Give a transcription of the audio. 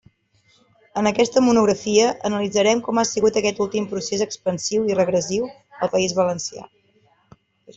En aquesta monografia analitzarem com ha sigut aquest últim procés expansiu i regressiu al País Valencià.